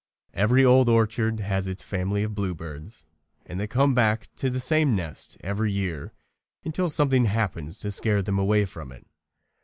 Every old orchard has its family of bluebirds, and they come back to the same nest every year until something happens to scare them away from it.